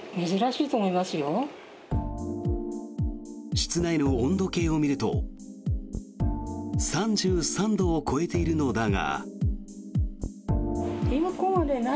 室内の温度計を見ると３３度を超えているのだが。